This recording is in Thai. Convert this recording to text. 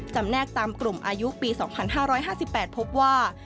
แนกตามกลุ่มอายุปี๒๕๕๘พบว่า